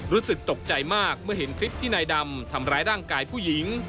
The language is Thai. รู้สึกตกใจมากเมื่อเห็นคลิปที่นายดำทำร้ายร่างกายผู้หญิง